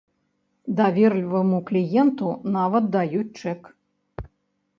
Даверліваму кліенту нават даюць чэк.